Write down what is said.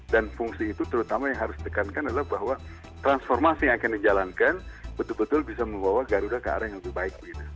dan fungsi itu terutama yang harus dikankan adalah bahwa transformasi yang akan dijalankan betul betul bisa membawa garuda ke arah yang lebih baik